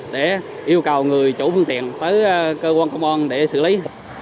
để yêu cầu người chủ phương tiện tới cơ quan công an để xử lý